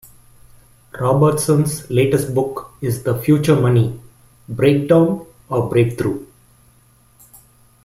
Robertson's latest book is the Future Money: Breakdown or Breakthrough?